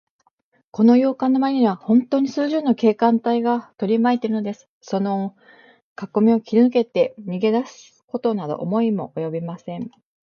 この洋館のまわりは、ほんとうに数十人の警官隊がとりまいているのです。そのかこみを切りぬけて、逃げだすことなど思いもおよびません。